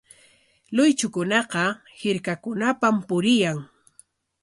Luychukunaqa hirkakunapam puriyan.